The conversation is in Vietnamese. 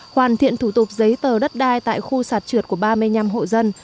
hoàn thiện thủ tục giấy tờ đất đai tại khu sạt trượt của ba mươi năm hộ dân